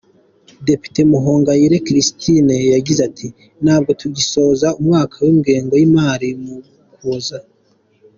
Depite Muhongayire Christine yagize ati “Ntabwo tugisoza umwaka w’ingengo y’imari mu Ukuboza.